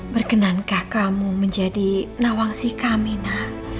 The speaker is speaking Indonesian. berkenankah kamu menjadi nawangsi kamina